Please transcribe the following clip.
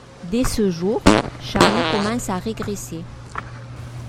Dès ce jour, Charlie commence à régresser.